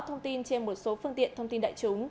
thông tin trên một số phương tiện thông tin đại chúng